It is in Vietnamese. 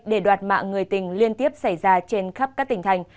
để đoạt mạng người tình liên tiếp xảy ra trên khắp các tỉnh thành